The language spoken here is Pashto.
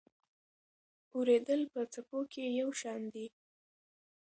اورېدل په څپو کې یو شان دي.